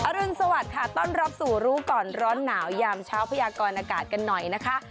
รุนสวัสดิ์ค่ะต้อนรับสู่รู้ก่อนร้อนหนาวยามเช้าพยากรอากาศกันหน่อยนะคะ